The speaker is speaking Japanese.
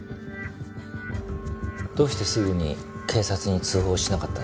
どうしてすぐに警察に通報しなかったんですか？